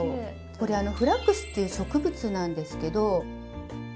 これ「フラックス」っていう植物なんですけど。